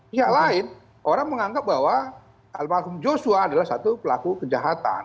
pihak lain orang menganggap bahwa almarhum joshua adalah satu pelaku kejahatan